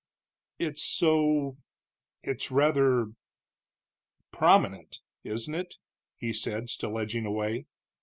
"It's so it's rather prominent, isn't it?" he said, still edging away.